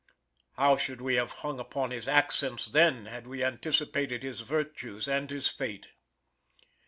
How should we have hung upon his accents then had we anticipated his virtues and his fate.